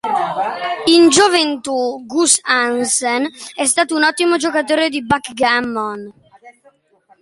In gioventù Gus Hansen è stato un ottimo giocatore di backgammon.